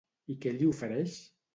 I què li ofereix?